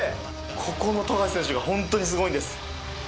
ここの富樫選手が本当にすごいんです。